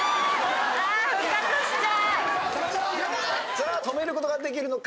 さあ止めることができるのか？